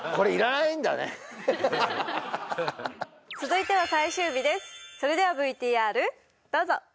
続いては最終日ですそれではＶＴＲどうぞ！